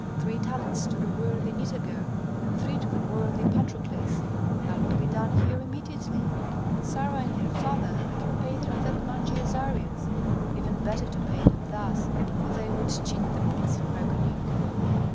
Three talents to the worthy Nitager and three to the worthy Patrokles; that will be done here immediately. Sarah and her father I can pay through that mangy Azarias even better to pay them thus, for they would cheat the prince in reckoning."